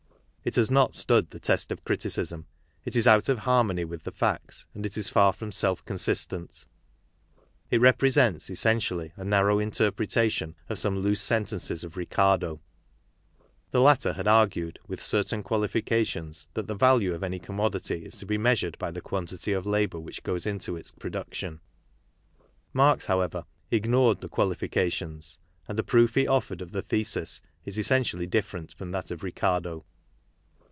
It has "not stood the test of critidsm,; IT is out'oF'fiarmony with the facts, and it isTar from self consistent. It represents essentially a narrow inter pretation of some loose sentences of Ricardo. The latter had argued, with certain qualifications, that the value of any commodity is to be measured by the quantity of labour which goes to its production. Marx, however, ignored the qualifications, and the proof he offered of the thesis is essentially different from that of Ricardo.